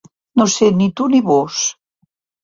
No ser ni tu ni vós.